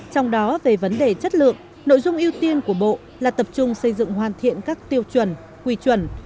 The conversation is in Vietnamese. trong đó về vấn đề chất lượng nội dung ưu tiên của bộ là tập trung xây dựng hoàn thiện các tiêu chuẩn quy chuẩn